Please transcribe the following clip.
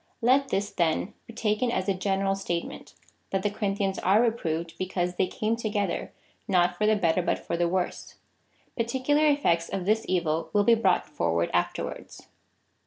Let this then be taken as a general statement, that the Corin thians are reproved, because they came together not for the better but for the worse. Particular effects of this evil will be brought forward afterwards.